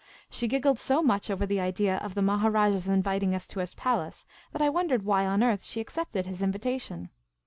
She giggled so much over the idea of the Maharajah's inviting us to his palace that I wondered why on earth she accepted his invitation.